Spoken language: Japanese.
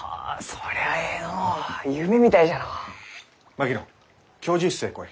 槙野教授室へ来い。